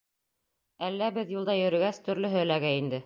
— Әллә, беҙ юлда йөрөгәс, төрлөһө эләгә инде.